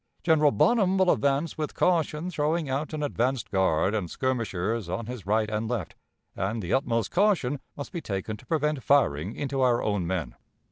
"General Bonham will advance with caution, throwing out an advanced guard and skirmishers on his right and left, and the utmost caution must be taken to prevent firing into our own men.